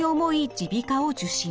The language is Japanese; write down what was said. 耳鼻科を受診。